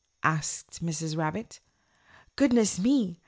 asked Mrs. Rabbit. "Goodness me!